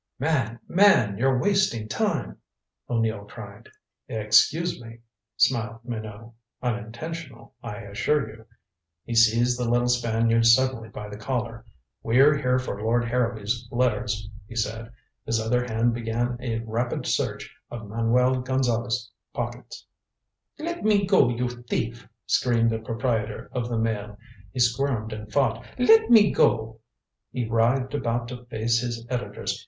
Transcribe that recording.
"Man! Man! You're wasting time," O'Neill cried. "Excuse me," smiled Minot. "Unintentional, I assure you." He seized the little Spaniard suddenly by the collar. "We're here for Lord Harrowby's letters," he said. His other hand began a rapid search of Manuel Gonzale's pockets. "Let me go, you thief," screamed the proprietor of the Mail. He squirmed and fought. "Let me go!" He writhed about to face his editors.